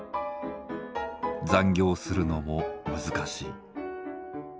残業するのも難しい。